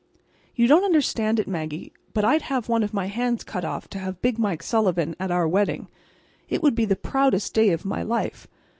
"You don't understand it, Maggie, but I'd have one of my hands cut off to have Big Mike Sullivan at our wedding. It would be the proudest day of my life.